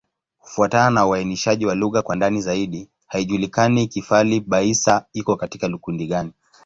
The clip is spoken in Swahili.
Kufuatana na uainishaji wa lugha kwa ndani zaidi, haijulikani Kifali-Baissa iko katika kundi gani.